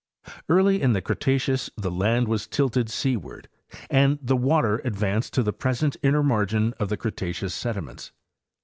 Early in the Cretaceous the land was tilted seaward and the water advanced to the present inner margin of the Cretaceous sediments.